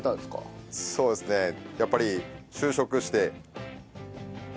そうですねやっぱり就職して。